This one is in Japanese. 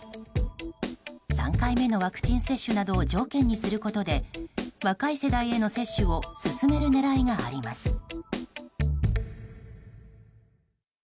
３回目のワクチン接種などを条件にすることで若い世代への接種を進める狙いがあります。